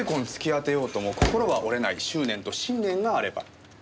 果てようとも心は折れない執念と信念があれば。